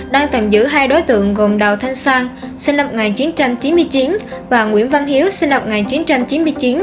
đang tạm giữ hai đối tượng gồm đào thanh sang sinh lập ngày chín trăm chín mươi chín và nguyễn văn hiếu sinh lập ngày chín trăm chín mươi chín